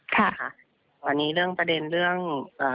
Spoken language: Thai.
กลัวนี้เรื่องประเด็นเรื่อง